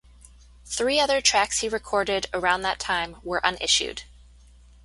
Three other tracks he recorded around that time were unissued.